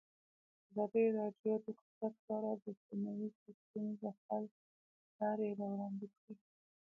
ازادي راډیو د اقتصاد په اړه د سیمه ییزو ستونزو حل لارې راوړاندې کړې.